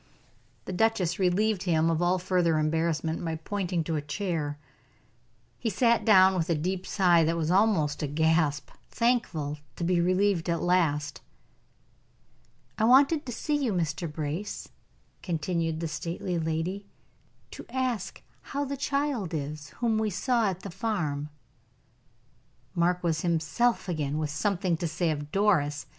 The duchess relieved him of all further embarrassment by pointing to a chair. He sat down with a deep sigh that was almost a gasp thankful to be relieved at last. "I wanted to see you, Mr. Brace," continued the stately lady, "to ask how the child is whom we saw at the farm." Mark was himself again with something to say of Doris.